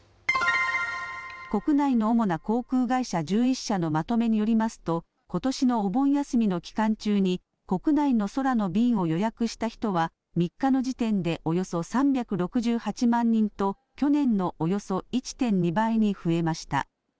国内の主な航空会社１１社のまとめによりますとことしのお盆休みの期間中に国内の空の便を予約した人は３日の時点でおよそ３６８万人と去年のおよそ１．２倍に増えました。